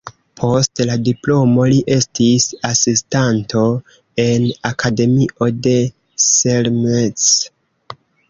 Post la diplomo li estis asistanto en Akademio de Selmec.